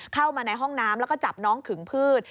เข้ามาในห้องน้ำแล้วก็จับน้องขึงพืช